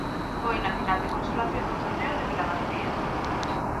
Foi na final de consolación do torneo de Vilagarcía.